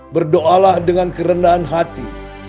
berdoalah dengan kerendahan hati